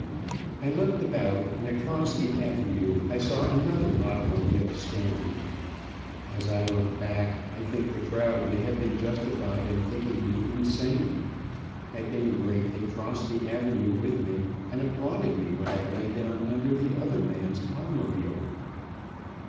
I looked about and across the avenue I saw another automobile standing. As I look back, I think the crowd may have been justified in thinking me insane. At any rate, they crossed the avenue with me, and applauded me when I lay down under the other man's automobile.